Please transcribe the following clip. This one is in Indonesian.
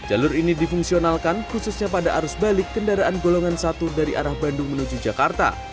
jalur ini difungsionalkan khususnya pada arus balik kendaraan golongan satu dari arah bandung menuju jakarta